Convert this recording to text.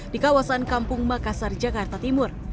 di kawasan kampung makassar jakarta timur